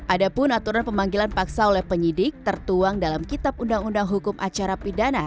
ada pun aturan pemanggilan paksa oleh penyidik tertuang dalam kitab undang undang hukum acara pidana